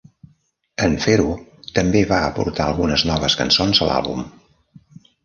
En fer-ho, també va aportar algunes noves cançons a l'àlbum.